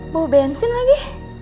bau bensin lagi